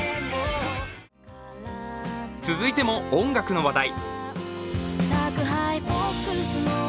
続いても、音楽の話題。